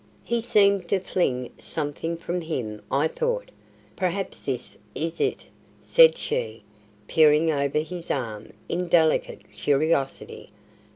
"He seemed to fling something from him, I thought. Perhaps this is it!" said she, peering over his arm, in delicate curiosity.